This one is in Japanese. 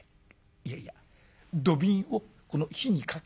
いやいや土瓶をこの火にかけ。